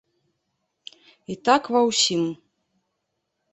І так ва ўсім.